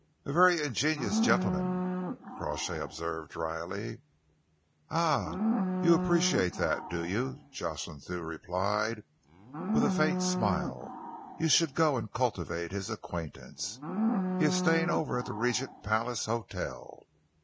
"A very ingenious gentleman," Crawshay observed drily. "Ah! you appreciate that, do you?" Jocelyn Thew replied, with a faint smile. "You should go and cultivate his acquaintance. He is staying over at the Regent Palace Hotel."